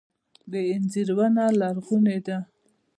د انځر ونه لرغونې ده